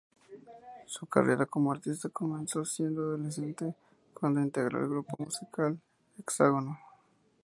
Su carrera como artista comenzó siendo adolescente, cuando integró el grupo musical "Hexágono".